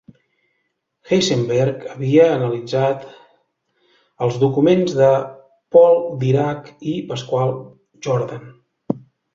Heisenberg havia analitzat els documents de Paul Dirac i Pascual Jordan.